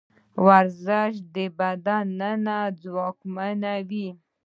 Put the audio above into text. ورزش د بدن له دننه ځواکمنوي.